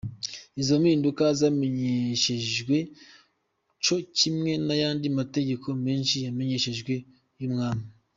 Izo mpinduka zamenyeshejwe co kimwe n'ayandi mategeko menshi yamenyeshejwe y'umwami.